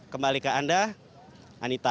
kembali ke anda anita